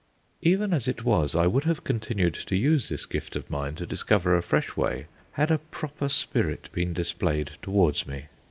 Even as it was, I would have continued to use this gift of mine to discover a fresh way had a proper spirit been displayed towards me.